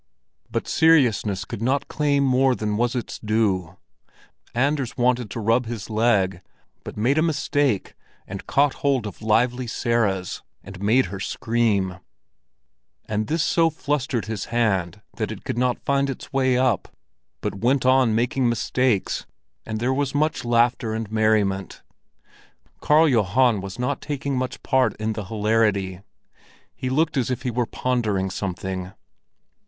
But seriousness could not claim more than was its due. Anders wanted to rub his leg, but made a mistake and caught hold of Lively Sara's, and made her scream; and this so flustered his hand that it could not find its way up, but went on making mistakes, and there was much laughter and merriment. Karl Johan was not taking much part in the hilarity; he looked as if he were pondering something.